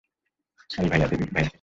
হারি ভাইয়া, দেবি ভাইয়াকে যে দেখছি না।